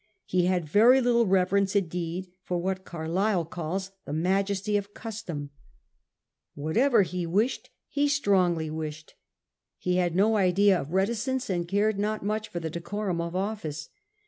He had very little reverence indeed for what Carlyle calls the majesty of custom. Whatever he wished he strongly wished. 1835?. HEEDLESS RHETORIC AMONG THE P EERS . 63 He had no idea of reticence, and cared not much for the decorum of office.